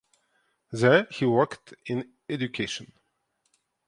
There he worked in education.